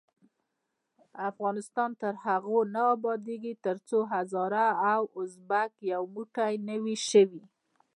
افغانستان تر هغو نه ابادیږي، ترڅو هزاره او ازبک یو موټی نه وي شوي.